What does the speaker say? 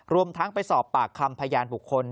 รวมทั้งไปสอบปากคำพยานบุคคล